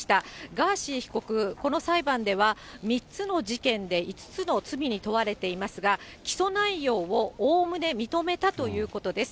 ガーシー被告、この裁判では、３つの事件で５つの罪に問われていますが、起訴内容をおおむね認めたということです。